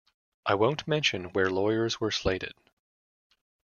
I won't mention where lawyers were slated.